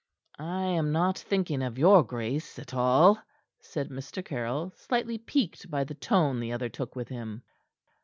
"I am not thinking of your grace at all," said Mr. Caryll, slightly piqued by the tone the other took with him.